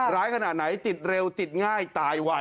ขนาดไหนติดเร็วติดง่ายตายไหว